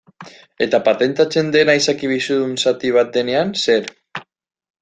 Eta patentatzen dena izaki bizidun zati bat denean zer?